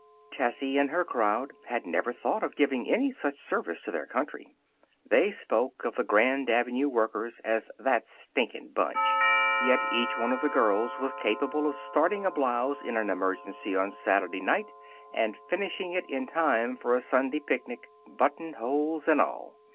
Tessie and her crowd had never thought of giving any such service to their country. They spoke of the Grand Avenue workers as "that stinkin' bunch." Yet each one of the girls was capable of starting a blouse in an emergency on Saturday night and finishing it in time for a Sunday picnic, buttonholes and all.